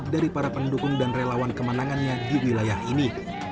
dari para pendukung dan relawan kemenangannya di wilayah ini